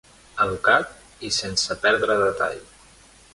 Educat i sense perdre detall.